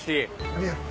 ありがとう。